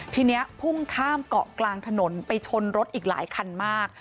ทีนี้พุ่งข้ามเกาะกลางถนนไปชนรถอีกหลายคันมาก